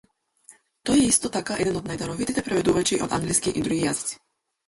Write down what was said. Тој е исто така еден од најдаровитите преведувачи од англиски и други јазици.